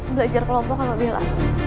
belajar kelompok sama bella